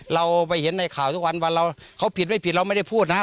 เราไปเห็นในข่าวทุกวันวันเราเขาผิดไม่ผิดเราไม่ได้พูดนะฮะ